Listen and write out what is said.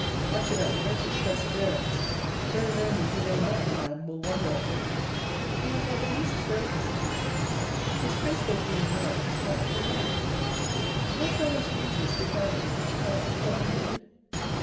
As to that wretch's perseverance, those only, who know not the man, will wonder at it. He has not the least delicacy. His principal view in marriage is not to the mind. How shall those beauties be valued, which cannot be comprehended?